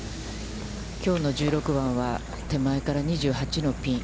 きょうの１６番は、手前から２８のピン。